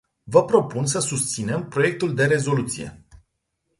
Vă propun să susținem proiectul de rezoluție.